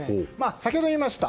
先ほどありました